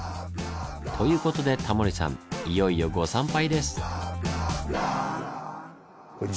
ということでタモリさんいよいよご参拝です！